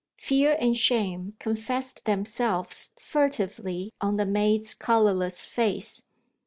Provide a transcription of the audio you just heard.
Fear and shame confessed themselves furtively on the maid's colourless face.